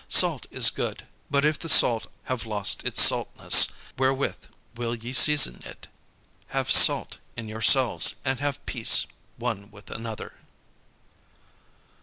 Salt is good: but if the salt have lost his saltness, wherewith will ye season it? Have salt in yourselves, and have peace one with another."